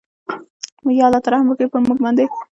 ېاالله ته رحم وکړې پرموګ باندې